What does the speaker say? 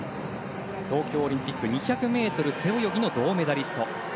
東京オリンピック２００ｍ背泳ぎの銅メダリスト。